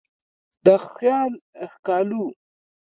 د خیال ښکالو